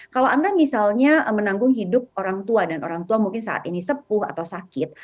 kalau anda misalnya menanggung hidup orang tua dan orang tua mungkin saat ini sepuh atau sakit